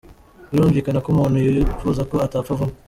Birumvikana ko umuntu yifuzako atapfa vuba.